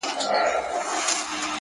تك سپين زړگي ته دي پوښ تور جوړ كړی،